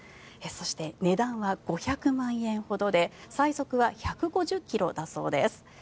そして、値段は５００万円ほどで最速は１５０ｋｍだそうです。